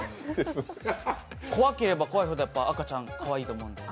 怖ければ怖いほど赤ちゃんはかわいいと思える。